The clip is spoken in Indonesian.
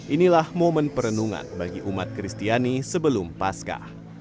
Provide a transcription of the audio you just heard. inilah momen perenungan bagi umat kristiani sebelum pasca